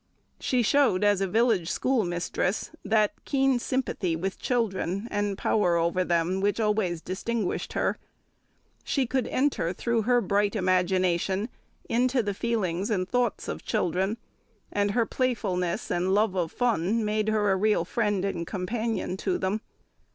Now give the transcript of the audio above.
She showed, as a village schoolmistress, that keen sympathy with children and power over them which always distinguished her. She could enter, through her bright imagination, into the feelings and thoughts of children, and her playfulness and love of fun made her a real friend and companion to them.